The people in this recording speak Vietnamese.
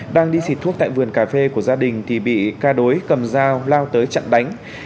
đang đi xịt thuốc tại vườn cà phê của gia đình thì bị ca đối cầm dao lao tới chặn đánh